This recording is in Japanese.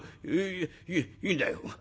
いやいいんだよ」。